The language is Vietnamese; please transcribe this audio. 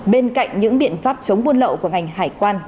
bên cạnh những biện pháp chống buôn lậu của ngành hải quan